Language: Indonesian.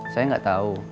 saya gak tau